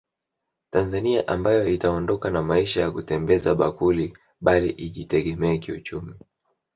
Tanzania ambayo itaondokana na maisha ya kutembeza bakuli bali ijitegemee kiuchumi